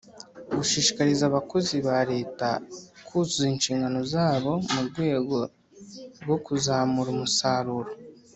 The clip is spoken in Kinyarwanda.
Gushishikariza Abakozi ba Leta kuzuza inshingano zabo mu rwego rwo kuzamura umusaruro